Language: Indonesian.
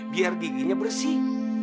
biar giginya bersih